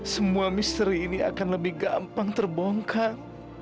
semua misteri ini akan lebih gampang terbongkar